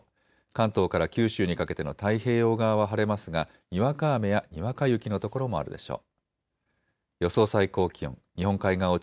関東から九州にかけての太平洋側は晴れますがにわか雨やにわか雪の所もあるでしょう。